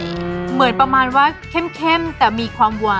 เหมือนประมาณว่าเข้มแต่มีความหวาน